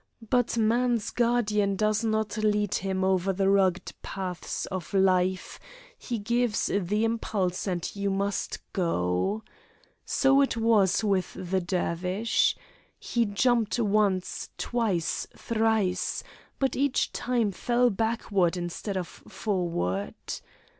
But man's guardian does not lead him over the rugged paths of life; he gives the impulse and you must go. So it was with the Dervish. He jumped once, twice, thrice, but each time fell backward instead of forward.